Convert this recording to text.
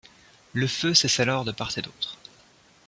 Le feu cesse alors de part et d’autre.